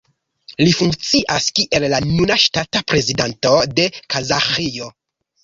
Li funkcias kiel la nuna ŝtata prezidanto de Kazaĥio.